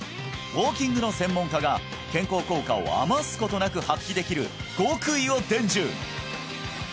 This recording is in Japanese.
ウォーキングの専門家が健康効果を余すことなく発揮できる極意を伝授！